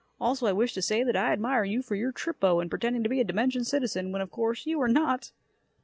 Also, I wish to say that I admire you for your trippo in pretending to be a dimension citizen, when, of course, you are not."